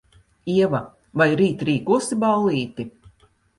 Ieva, vai rīt rīkosi ballīti?